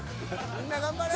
みんな頑張れ！